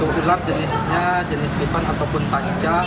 untuk ular jenisnya jenis piton ataupun sanca